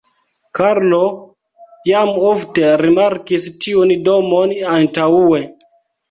Karlo jam ofte rimarkis tiun domon antaŭe.